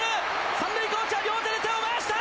三塁コーチは両手で手を回した！